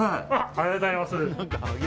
ありがとうございます。